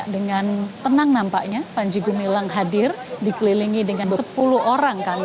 dengan tenang nampaknya panji gumilang hadir dikelilingi dengan sepuluh orang